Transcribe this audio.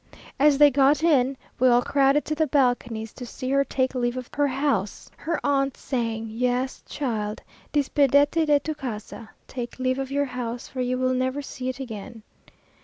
As they got in, we all crowded to the balconies to see her take leave of her house, her aunts saying, "Yes, child, despídete de tu casa, take leave of your house, for you will never see it again!"